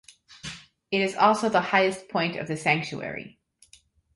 It is also the highest point of the sanctuary.